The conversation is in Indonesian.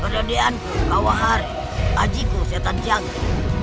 peradaanku bawah hari ajiku setan canggih